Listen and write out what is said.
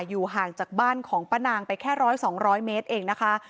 อยู่ห่างจากบ้านของปะนางไปแค่ร้อยสองร้อยเมตรเองนะคะ